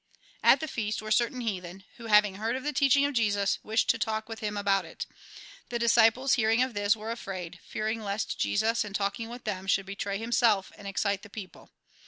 At the feast were certain heathen, who, havincr heard of the teaching of Jesus, wished to talk with him about it. The disciples, hearing of this, were afraid, fearing lest Jesus, in talking with them, should betray himself, and excite the people.